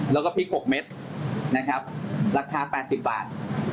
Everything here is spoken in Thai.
แล้วก็พริก๖เม็ดราคา๘๐บาท